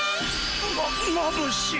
まっまぶしい。